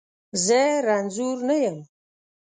زه رنځور نه یم.